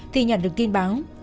thì nhận được tin báo